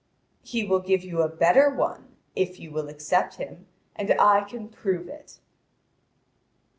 "He will give you a better one, if you will accept him, and I can prove it."